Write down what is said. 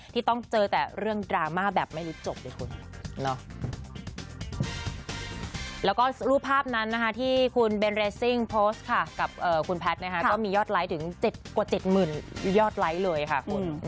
แล้วก็รูปภาพนั้นที่คุณเบนเรสซิ่งโพสต์ค่ะกับคุณแพทย์ก็มียอดไร้ถึง๗กว่า๗หมื่นยอดไร้เลยค่ะคุณ